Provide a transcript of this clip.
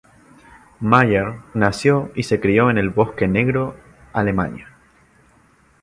Mayer nació y se crio en el Bosque Negro, Alemania.